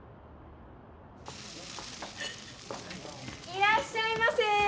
いらっしゃいませ！